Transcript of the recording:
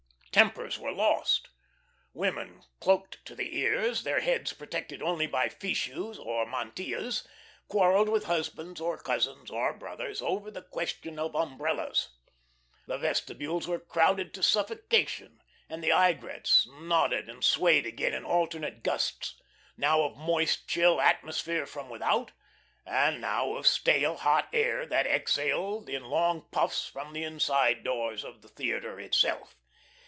Tempers were lost; women, cloaked to the ears, their heads protected only by fichus or mantillas, quarrelled with husbands or cousins or brothers over the question of umbrellas. The vestibules were crowded to suffocation, and the aigrettes nodded and swayed again in alternate gusts, now of moist, chill atmosphere from without, and now of stale, hot air that exhaled in long puffs from the inside doors of the theatre itself.